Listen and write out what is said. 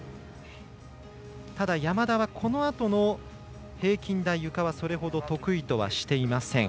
ただ、山田はこのあとの平均台、ゆかはそれほど得意とはしていません。